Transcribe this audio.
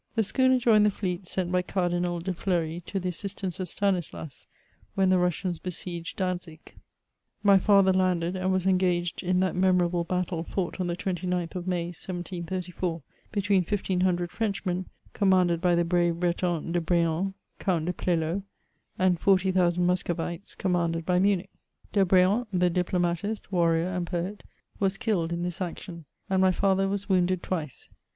The schooner joined the fleet sent by Cardinal de Fleury to the assistance of Stiemislas, when the Russians besieged Dantzick. My father landed, and was engaged in that memorable battle fought on the 29th of May, 1734, between fifteen hundred Frenchmen, commanded by the brave Breton de Br^han, Count de Pl^o, and forty thousand Muscovites, commanded by Munich. De Br^han, the diplomatist, warrior, and poet, was killed in this action ; and my father was wounded twice.